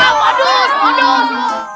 wow bagus bagus